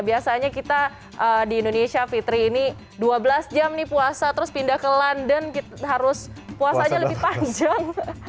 biasanya kita di indonesia fitri ini dua belas jam nih puasa terus pindah ke london harus puasanya lebih panjang